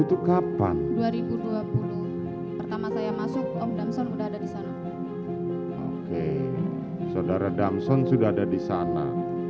itu kapan dua ribu dua puluh pertama saya masuk om damson udah ada di sana oke saudara damson sudah ada di sana